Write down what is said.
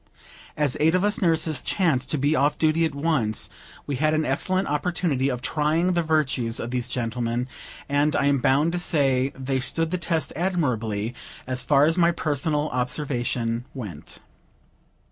As eight of us nurses chanced to be off duty at once, we had an excellent opportunity of trying the virtues of these gentlemen; and I am bound to say they stood the test admirably, as far as my personal observation went.